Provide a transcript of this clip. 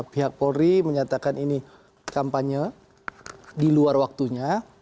pihak polri menyatakan ini kampanye di luar waktunya